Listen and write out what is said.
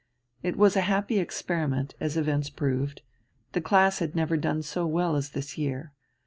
It was a happy experiment, as events proved; the class had never done so well as this year.